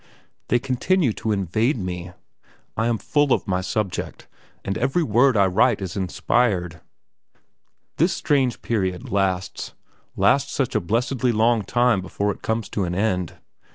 They continue to invade me; I am full of my subject, and every word I write is inspired. This strange period lasts lasts such a blessedly long time before it comes to an end.